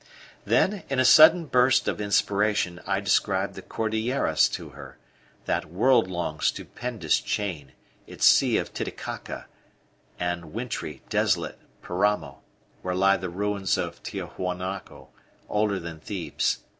Then, in a sudden burst of inspiration, I described the Cordilleras to her that world long, stupendous chain; its sea of Titicaca, and wintry, desolate Paramo, where lie the ruins of Tiahuanaco, older than Thebes.